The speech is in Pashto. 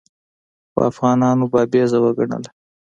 خو افغانانو بابیزه وګڼله.